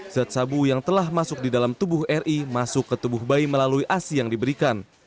zat sabu yang telah masuk di dalam tubuh ri masuk ke tubuh bayi melalui asi yang diberikan